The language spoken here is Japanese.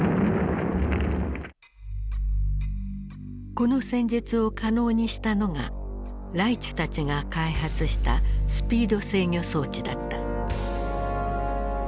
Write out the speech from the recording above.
この戦術を可能にしたのがライチュたちが開発したスピード制御装置だった。